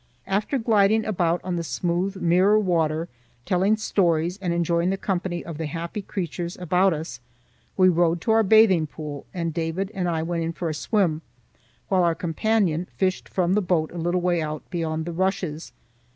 After gliding about on the smooth mirror water, telling stories and enjoying the company of the happy creatures about us, we rowed to our bathing pool, and David and I went in for a swim, while our companion fished from the boat a little way out beyond the rushes.